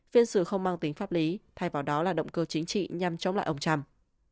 phiên xử không mang tính pháp lý thay vào đó là động cơ chính trị nhằm chống lại ông trump